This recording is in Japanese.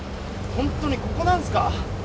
ホントにここなんすか？